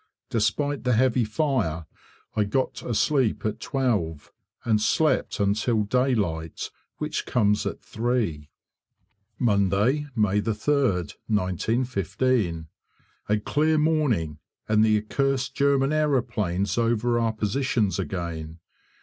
Despite the heavy fire I got asleep at 12, and slept until daylight which comes at 3. Monday, May 3rd, 1915. A clear morning, and the accursed German aeroplanes over our positions again.